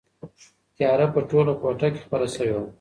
تیاره په ټوله کوټه کې خپره شوې وه.